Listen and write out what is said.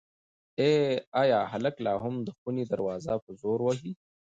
ایا هلک لا هم د خونې دروازه په زور وهي؟